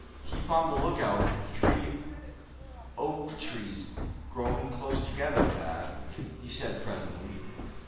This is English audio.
"Keep on the lookout for three oak trees growing close together, Thad," he said, presently.